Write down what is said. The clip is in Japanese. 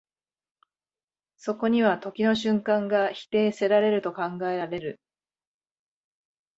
そこには時の瞬間が否定せられると考えられる。